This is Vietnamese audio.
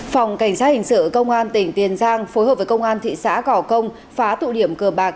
phòng cảnh sát hình sự công an tỉnh tiền giang phối hợp với công an thị xã cỏ công phá tụ điểm cờ bạc